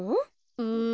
うん。